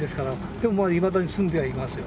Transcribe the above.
でもいまだに住んではいますよ。